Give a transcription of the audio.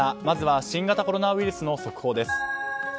まずは新型コロナウイルスの速報です。